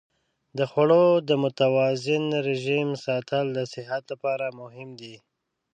د خوړو د متوازن رژیم ساتل د صحت لپاره مهم دی.